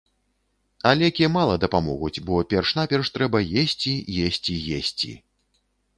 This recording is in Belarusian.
А лекі мала дапамогуць, бо перш-наперш трэба есці, есці, есці!